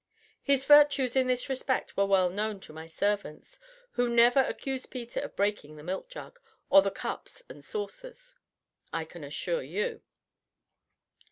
His virtues in this respect were well known to my servants, who never accused Peter of breaking the milk jug, or the cups and saucers, I can assure you.